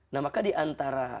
nah maka diantara